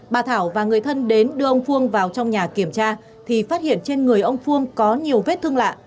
bà thảo và người thân đến đưa ông phương vào trong nhà kiểm tra thì phát hiện trên người ông phương có nhiều vết thương lạ